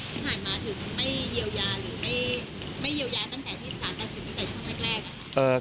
ที่ผ่านมาถึงไม่เยียวยาหรือไม่เยียวยาตั้งแต่ที่สารตัดสินตั้งแต่ช่วงแรกอะ